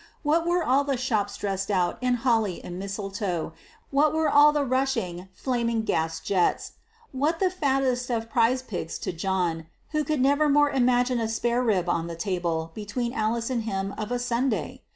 What were all the shops dressed out in holly and mistletoe, what were all the rushing flaming gas jets, what the fattest of prize pigs to John, who could never more imagine a spare rib on the table between Alice and him of a Sunday?